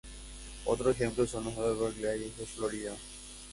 Otro ejemplo son los Everglades de Florida.